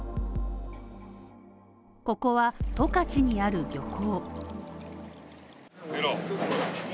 ここは十勝にある漁港